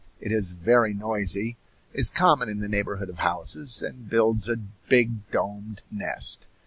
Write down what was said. It is very noisy, is common in the neighborhood of houses, and builds a big domed nest.